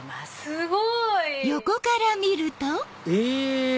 すごい！え？